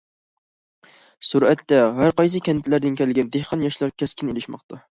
سۈرەتتە: ھەرقايسى كەنتلەردىن كەلگەن دېھقان ياشلار كەسكىن ئېلىشماقتا.